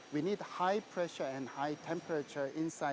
kita membutuhkan tekanan tinggi dan temperatur tinggi